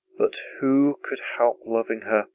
"But who could help loving her?